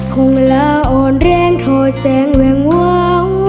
ของลาอ่อนแรงถอยแสงแห่งเหว่า